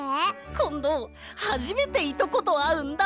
こんどはじめていとことあうんだ。